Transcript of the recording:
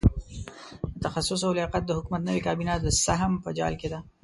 د تخصص او لیاقت د حکومت نوې کابینه د سهم په جال کې ده.